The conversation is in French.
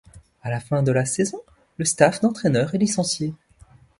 À la fin de la saison, le staff d'entraineur est licencié.